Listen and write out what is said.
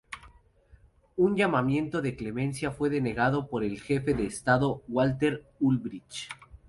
Un llamamiento de clemencia fue denegado por el Jefe de Estado Walter Ulbricht.